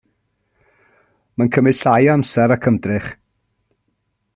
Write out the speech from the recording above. Mae'n cymryd llai o amser ac ymdrech.